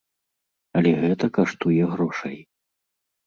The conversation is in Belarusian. Але гэта каштуе грошай.